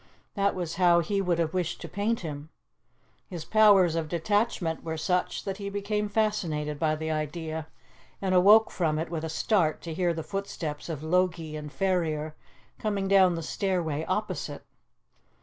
That was how he would have wished to paint him. His powers of detachment were such that he became fascinated by the idea, and awoke from it with a start to hear the footsteps of Logie and Ferrier coming down the stairway opposite.